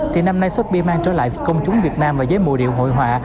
thì năm nay sotheby s mang trở lại công chúng việt nam và giới mùa điệu hội họa